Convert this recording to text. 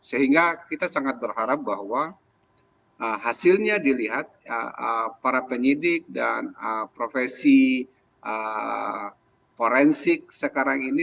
sehingga kita sangat berharap bahwa hasilnya dilihat para penyidik dan profesi forensik sekarang ini